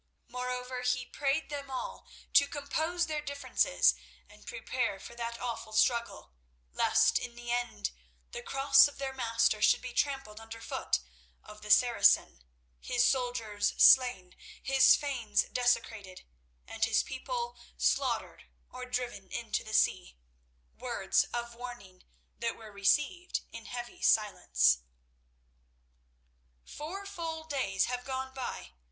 Moreover, he prayed them all to compose their differences and prepare for that awful struggle, lest in the end the Cross of their Master should be trampled under foot of the Saracen, His soldiers slain, His fanes desecrated, and His people slaughtered or driven into the sea—words of warning that were received in heavy silence. "Four full days have gone by.